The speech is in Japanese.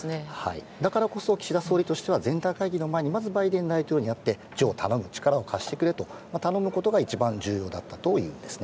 だからこそ岸田総理としては全体会議の前にまずバイデン大統領に会ってジョー頼む力を貸してくれと頼むことが一番重要だったというんです。